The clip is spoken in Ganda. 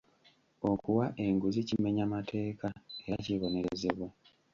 Okuwa enguzi kimenya mateeka era kibonerezebwa.